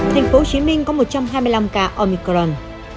thành phố hồ chí minh có một trăm hai mươi năm ca omicron